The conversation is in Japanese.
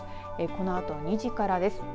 このあと２時からです。